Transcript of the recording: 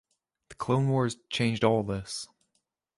The Clone Wars changed all this.